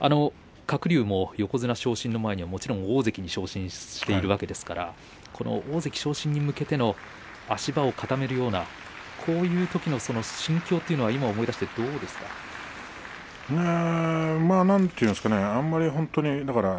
鶴竜も横綱昇進の前にはもちろん大関に昇進しているわけですから大関昇進に向けての足場を固めるようなこういうときの心境というのは今、思い出してどうですか？なんていうんですかね